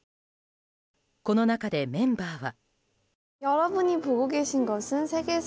この中で、メンバーは。